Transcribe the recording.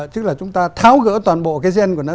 chứ là chúng ta tháo gỡ toàn bộ cái gen của nó